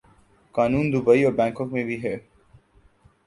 قانون دوبئی اور بنکاک میں بھی ہے۔